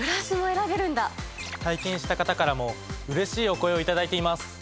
体験した方からもうれしいお声を頂いています。